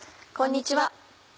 こんにちは。